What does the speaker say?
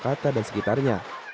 kata dan sekitarnya